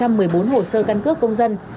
bốn một trăm một mươi bốn hồ sơ căn cứ công dân